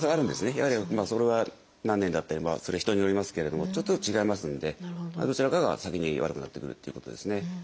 やはりそれは何年だったりそれは人によりますけれどもちょっとずつ違いますのでどちらかが先に悪くなってくるっていうことですね。